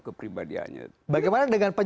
kepribadiannya bagaimana dengan